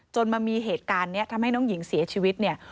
มามีเหตุการณ์นี้ทำให้น้องหญิงเสียชีวิตเนี่ย